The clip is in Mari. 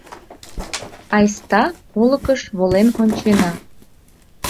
Айста олыкыш волен ончена